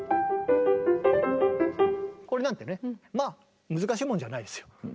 これなんてねまあ難しいもんじゃないですよ。